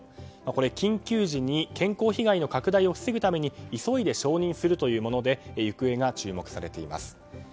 これは緊急時に健康被害の拡大を防ぐために急いで承認するというもので行方が注目されています。